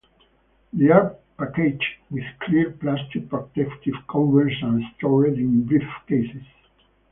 They are packaged with clear plastic protective covers and stored in briefcases.